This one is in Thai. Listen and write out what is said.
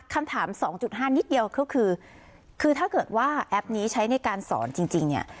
คำถาม๒๕นิดเดียวก็คือคือถ้าเกิดว่าแอปนี้ใช้ในการสอนจริงเนี่ย